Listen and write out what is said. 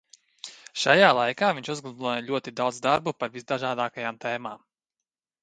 Šajā laikā viņš uzgleznoja ļoti daudz darbu par visdažādākajām tēmām.